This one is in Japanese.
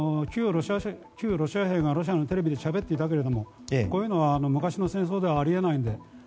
旧ロシア兵がロシアのテレビでしゃべっていたけれどこういうのは昔の戦争ではあり得ないので。